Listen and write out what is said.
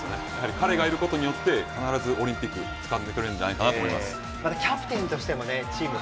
彼がいることによって必ずオリンピックつかんでくれるんじゃないかなと思います。